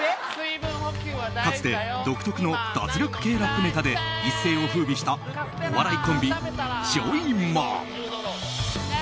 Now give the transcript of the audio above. かつて独特の脱力系ラップネタで一世を風靡したお笑いコンビ、ジョイマン。